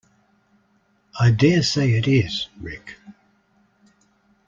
I dare say it is, Rick.